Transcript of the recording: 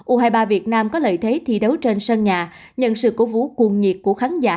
u hai mươi ba việt nam có lợi thế thi đấu trên sân nhà nhận sự cổ vũ cuồng nhiệt của khán giả